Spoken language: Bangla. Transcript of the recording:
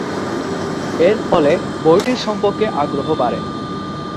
এর ফলে বইটির সম্পর্কে আগ্রহ বাড়ে।